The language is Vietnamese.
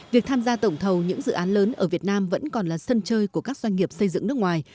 việc tham gia tổng thầu những dự án lớn ở việt nam vẫn còn là sân chơi của các doanh nghiệp xây dựng nước ngoài